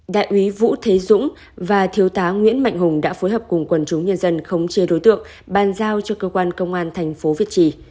đại úy vũ thế dũng và thiếu tá nguyễn mạnh hùng đã phối hợp cùng quần chúng nhân dân khống chế đối tượng ban giao cho cơ quan công an thành phố việt trì